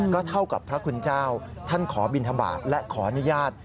ก็เท่ากับพระคุณเจ้าท่านขอบินทบาทและขออนุญาต